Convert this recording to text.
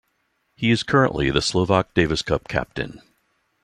He is currently the Slovak Davis Cup captain.